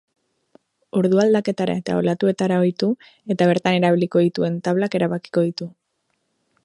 Ordu aldaketara eta olatuetara ohitu, eta bertan erabiliko dituen tablak erabakiko ditu.